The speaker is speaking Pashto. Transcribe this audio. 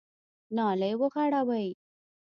نالۍ وغوړوئ !